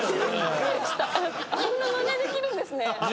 あんなマネできるんですね。